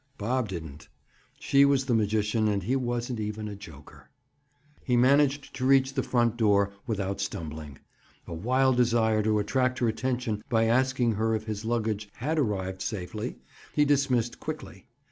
Bob didn't. She was the magician and he wasn't even a joker. He managed to reach the front door without stumbling. A wild desire to attract her attention by asking her if his luggage had arrived safely, he dismissed quickly.